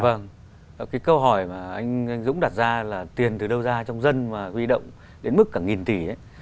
vâng cái câu hỏi mà anh dũng đặt ra là tiền từ đâu ra trong dân mà huy động đến mức cả nghìn tỷ ấy